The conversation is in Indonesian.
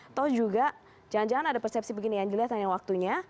atau juga jalan jalan ada persepsi begini yang dilihat hanya waktunya